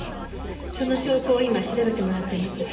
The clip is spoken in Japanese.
その証拠を今調べてもらってます。